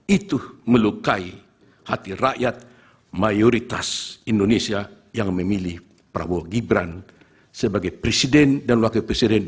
itu melukai hati rakyat mayoritas indonesia yang memilih prabowo gibran sebagai presiden dan wakil presiden